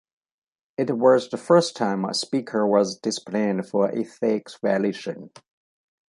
It was the first time a Speaker was disciplined for an ethics violation.